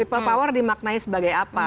people power dimaknai sebagai apa